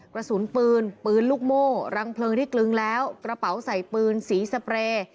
กระสุนปืนปืนลูกโม่รังเพลิงที่กลึงแล้วกระเป๋าใส่ปืนสีสเปรย์